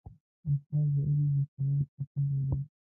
استاد د علم د څراغ ساتونکی دی.